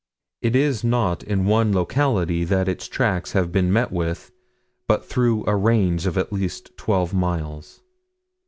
It is not in one locality that its tracks have been met with, but through a range of at least twelve miles."